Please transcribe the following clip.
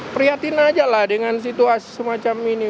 prihatin aja lah dengan situasi semacam ini